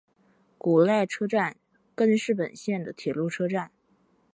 古濑车站根室本线的铁路车站。